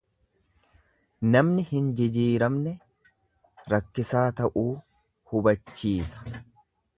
Amalli hin jijiiramne rakkisaa ta'uu hubachiisa.